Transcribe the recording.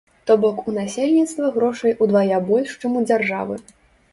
То бок, у насельніцтва грошай удвая больш, чым у дзяржавы.